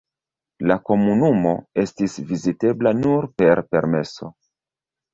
La komunumo estis vizitebla nur per permeso.